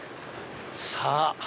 さぁ